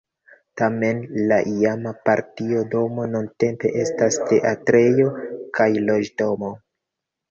Tamen la iama partia domo nuntempe estas teatrejo kaj loĝdomo.